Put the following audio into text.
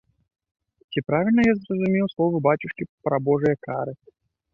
Ці правільна я зразумеў словы бацюшкі пра божыя кары?